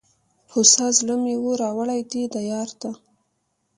هوسا زړه مي وو را وړﺉ دې دیار ته